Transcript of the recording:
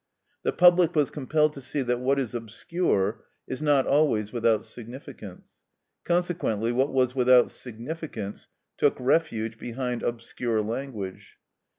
The public was compelled to see that what is obscure is not always without significance; consequently, what was without significance took refuge behind obscure language.